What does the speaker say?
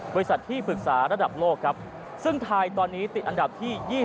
บริษัทที่ปรึกษาระดับโลกครับซึ่งไทยตอนนี้ติดอันดับที่๒๐